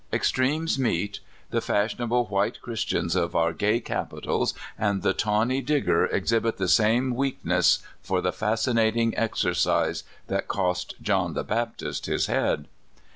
Extremes meet: the fashionable white THE DIGGERS. I43 Christians of our gay capitals and the tawny Dig ger exhibit the same weakness for the fascinating exercise that cost John the Baptist his head.